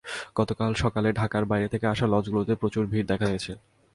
গতকাল সকালে ঢাকার বাইরে থেকে আসা লঞ্চগুলোতে প্রচুর ভিড় দেখা গেছে।